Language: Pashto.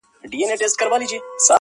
• دا زوی مړې بله ورځ به کله وي -